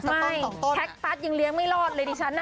ไม่แชคพัสยังเลี้ยงไม่รอดเลยดิฉันอ่ะ